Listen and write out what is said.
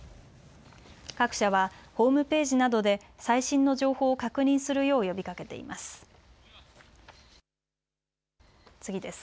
各社はホームページなどで最新の情報を確認するよう呼びかけています。